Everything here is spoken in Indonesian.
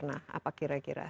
nah apa kira kira